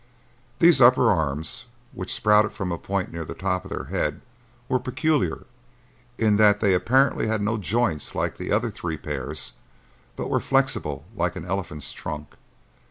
These upper arms, which sprouted from a point near the top of the head, were peculiar in that they apparently had no joints like the other three pairs but were flexible like an elephant's trunk.